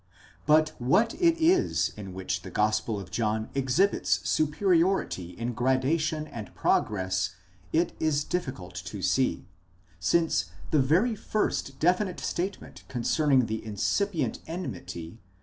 But what it is in which the Gospel of John exhibits superiority in gradation and progress, it is difficult to see, since the very first definite statement con cerning the incipient enmity (v.